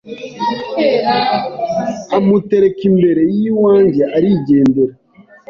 amutereka imbere y’iwanjye arigendera,